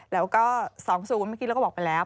แล้วก็๒๐เมื่อกี้เราก็บอกไปแล้ว